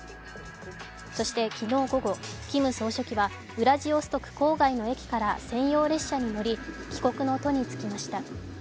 そして昨日午後、キム総書記はウラジオストク郊外の駅から専用列車に乗り、帰国の途に就きました。